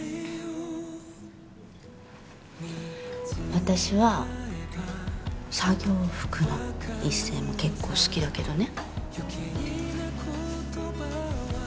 私は作業服の一星も結構好きだけどね。